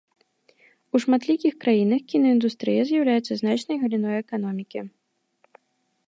У шматлікіх краінах кінаіндустрыя з'яўляецца значнай галіной эканомікі.